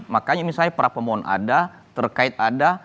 makanya misalnya para pemohon ada terkait ada